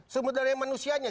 sumber daya manusianya